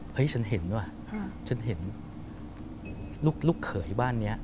เฮ้ยฉันเห็นด้วยฉันเห็นลูกเคยบ้านเนี้ย